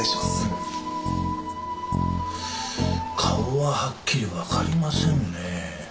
顔ははっきりわかりませんね。